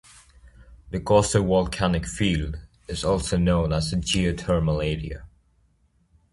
The Coso Volcanic Field is also well known as a geothermal area.